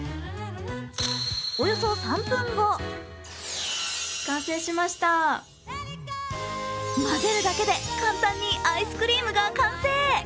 およそ３分後混ぜるだけで簡単にアイスクリームが完成。